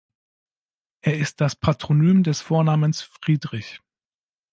Er ist das Patronym des Vornamens Friedrich.